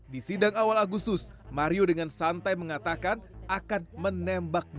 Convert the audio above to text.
di sidang awal agustus mario dengan santai mengatakan akan menembak